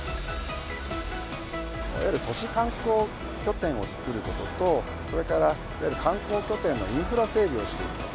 いわゆる都市観光拠点を作ることと、それからいわゆる観光拠点のインフラ整備をしていくこと。